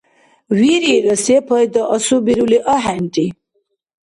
Вирира, сепайда, асубирули ахӀенри.